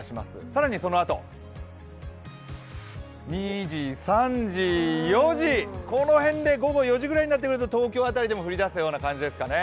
更にそのあと、２時、３時、４時、この辺、午後４時ぐらいになってくると東京辺りでも降ってくる感じですかね。